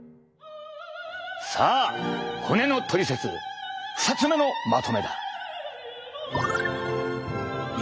さあ骨のトリセツ２つ目のまとめだ。